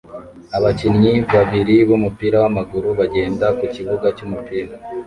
Abakinnyi babiri b'umupira w'amaguru bagenda ku kibuga cy'umupira